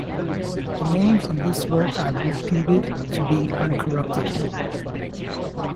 The names in this work are reputed to be uncorrupted.